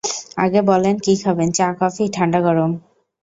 আগে বলেন কি খাবেন, চা, কফি, ঠান্ডা গরম?